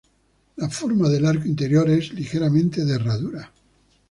La forma del arco interior es ligeramente de herradura.